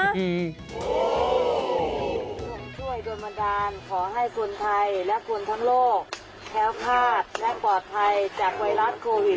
ช่วยโดนบันดาลขอให้คนไทยและคนทั้งโลกแค้วคาดและปลอดภัยจากไวรัสโควิด